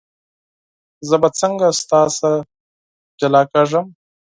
زه به څنګه ستا څخه جلا کېږم.